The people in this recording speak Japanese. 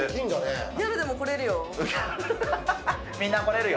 ギャルでも来れるよ。